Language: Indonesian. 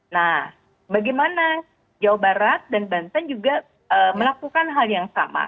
nah bagaimana jawa barat dan banten juga melakukan hal yang sama